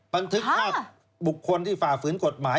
บันทึกภาพบุคคลที่ฝ่าฝืนกฎหมาย